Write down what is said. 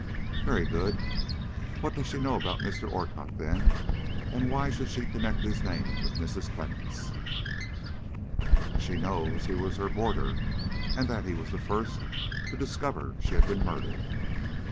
"Very good; what does she know about Mr. Orcutt, then; and why should she connect his name with Mrs. Clemmens?" "She knows he was her boarder, and that he was the first one to discover she had been murdered."